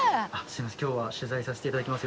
今日は取材させて頂きます。